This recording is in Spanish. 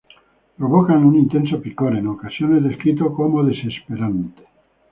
Provocan un intenso picor, en ocasiones descrito como desesperante.